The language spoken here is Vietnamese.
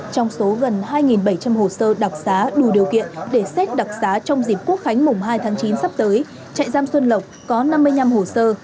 trong số gần hai bảy trăm linh hồ sơ đặc giá đủ điều kiện để xét đặc xá trong dịp quốc khánh mùng hai tháng chín sắp tới chạy giam xuân lộc có năm mươi năm hồ sơ